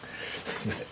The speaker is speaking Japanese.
すいません。